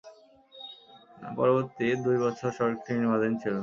পরবর্তী দুই বছর সড়কটি নির্মাণাধীন ছিল।